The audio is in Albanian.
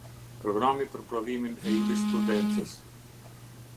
Programi për provimin e jurisprudencës.